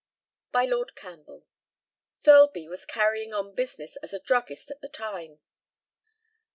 By Lord CAMPBELL: Thirlby was carrying on business as a druggist at the time.